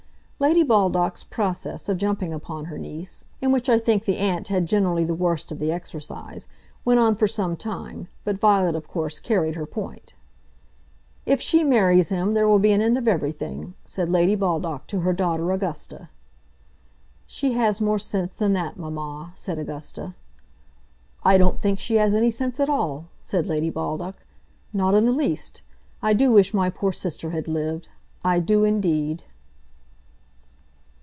Lady Baldock's process of jumping upon her niece, in which I think the aunt had generally the worst of the exercise, went on for some time, but Violet of course carried her point. "If she marries him there will be an end of everything," said Lady Baldock to her daughter Augusta. "She has more sense than that, mamma," said Augusta. "I don't think she has any sense at all," said Lady Baldock; "not in the least. I do wish my poor sister had lived; I do indeed."